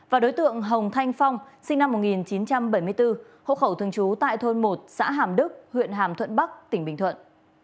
và đối tượng hồng thanh phong sinh năm một nghìn chín trăm bảy mươi bốn hộ khẩu thường trú tại thôn một xã hàm đức huyện hàm thuận bắc tỉnh bình thuận